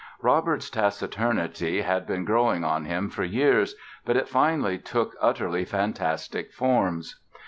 Robert's taciturnity had been growing on him for years but it finally took utterly fantastic forms.